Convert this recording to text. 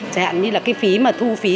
chẳng hạn như là cái phí mà thu phí